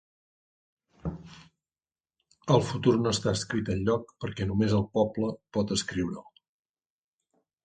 El futur no està escrit enlloc perquè només el poble pot escriure'l.